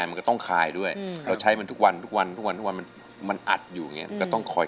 เพราะว่ากล้ามเนื้อมันขด